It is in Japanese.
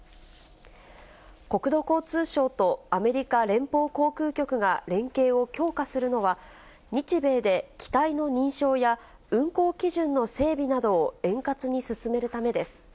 国土交通省とアメリカ連邦航空局が連携を強化するのは、日米で機体の認証や運航基準の整備などを円滑に進めるためです。